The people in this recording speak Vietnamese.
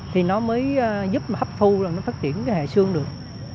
thì nó mới giúp mà hấp thu nó phát triển hệ xương được